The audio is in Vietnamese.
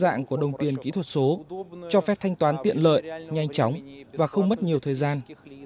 đa dạng của đồng tiền kỹ thuật số cho phép thanh toán tiện lợi nhanh chóng và không mất nhiều thời gian